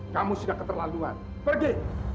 kamu sudah keterlaluan pergi